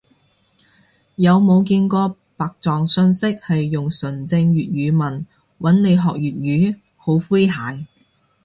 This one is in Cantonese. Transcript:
有冇見過白撞訊息係用純正粵語問，搵你學粵語？好詼諧